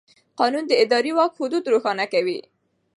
قانون د اداري واک حدود روښانه کوي.